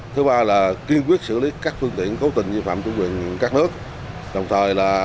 thứ ba là kiên quyết xử lý các phương tiện cố tình vi phạm chủ quyền các nước đồng thời là